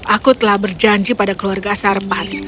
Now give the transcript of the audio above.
aku telah berjanji pada keluarga sarpan